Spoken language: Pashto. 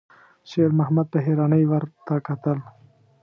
شېرمحمد په حيرانۍ ورته کتل.